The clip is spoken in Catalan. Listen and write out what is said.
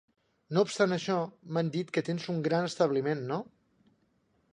No obstant això, m'han dit que tens un gran establiment, no?